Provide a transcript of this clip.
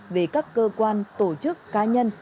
về các cơ quan tổ chức cá nhân